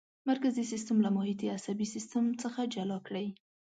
مرکزي سیستم له محیطي عصبي سیستم څخه جلا کړئ.